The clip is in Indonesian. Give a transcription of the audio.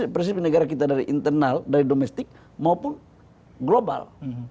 prinsip negara kita dari internal dari domestik maupun global